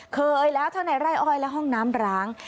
เคยแล้วเท่าไหนไร้อ้อยแล้วห้องน้ำร้าง